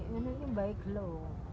ini mungkin baik lho